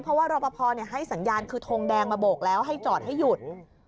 เพราะว่ารอปภให้สัญญาณคือทงแดงมาโบกแล้วให้จอดให้หยุด